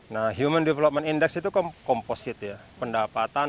nah human development index itu komposit ya pendapatan